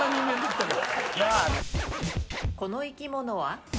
この生き物は？